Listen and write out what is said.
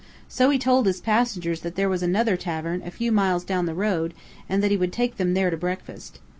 So he told his passengers that there was another tavern, a few miles down the road, and that he would take them there to breakfast.